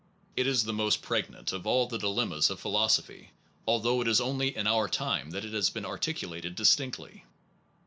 It is the most pregnant of all the dilemmas of philosophy, although it is only in our time that it has been articulated distinctly.